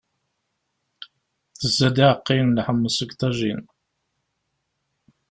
Tezza-d iɛeqqayen n lḥemmeẓ deg uḍajin.